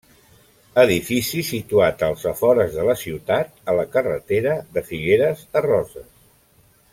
Edifici situat als afores de la ciutat, a la carretera de Figueres a Roses.